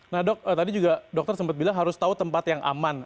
nah dok tadi juga dokter sempat bilang harus tahu tempat yang aman